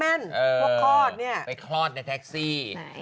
ดันไปคลอดในแท็กซี่